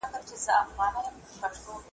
كه تباه غواړئ نړۍ د بندگانو .